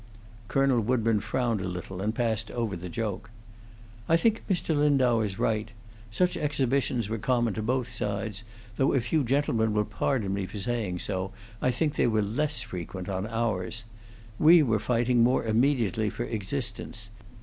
Colonel Woodburn frowned a little, and passed over the joke. "I think Mr. Lindau is right. Such exhibitions were common to both sides, though if you gentlemen will pardon me for saying so, I think they were less frequent on ours. We were fighting more immediately for existence.